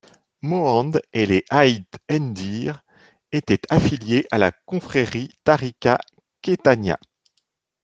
Mohand et les Aït Ndhir étaient affiliés à la confrérie Tariqa kettania.